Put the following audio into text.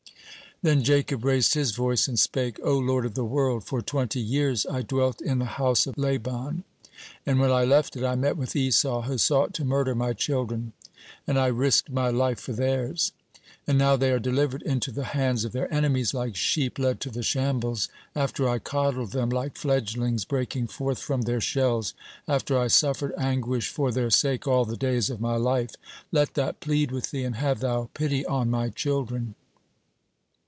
Then Jacob raised his voice and spake: "O Lord of the world, for twenty years I dwelt in the house of Laban, and when I left it, I met with Esau, who sought to murder my children, and I risked my life for theirs. And now they are delivered into the hands of their enemies, like sheep led to the shambles, after I coddled them like fledglings breaking forth from their shells, after I suffered anguish for their sake all the days of my life. Let that plead with Thee, and have Thou pity on my children."